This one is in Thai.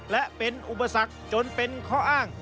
และเป็นอุปสรรคจนเป็นข้ออ้าง